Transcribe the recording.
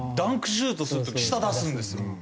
シュートする時舌出すんですよ。